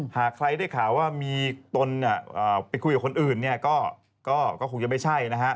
หากใครได้ข่าวว่ามีตนไปคุยกับคนอื่นเนี่ยก็คงจะไม่ใช่นะฮะ